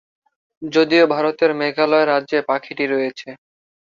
যদিও ভারতের মেঘালয় রাজ্যে পাখিটি রয়েছে।